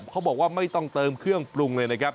เขาบอกว่าไม่ต้องเติมเครื่องปรุงเลยนะครับ